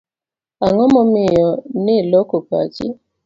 Ang'o momiyo ni loko pachi?